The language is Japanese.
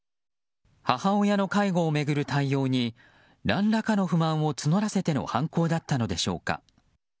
母親の介護を巡る対応に何らかの不満を募らせての犯行だったのでしょうか。